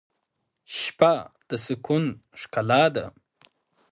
شپه د سکون ښکلا ده.